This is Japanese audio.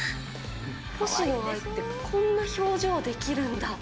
星野アイってこんな表情できるんだ。